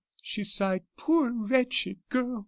she sighed; "poor, wretched girl!"